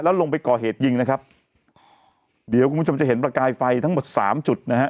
แล้วลงไปก่อเหตุยิงนะครับเดี๋ยวคุณผู้ชมจะเห็นประกายไฟทั้งหมดสามจุดนะฮะ